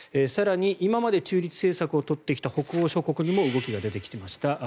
更に今まで中立政策を取ってきた北欧諸国にも動きが出てきました。